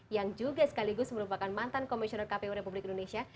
yang juga sekaligus merupakan mantan komisioner kpu republik indonesia